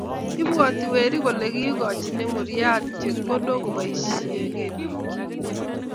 Ibwoti weri kole kiikochini muryat chepkondook koboisye kelekchi.